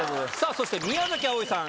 そして宮あおいさん。